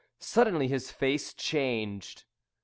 Suddenly his face changed.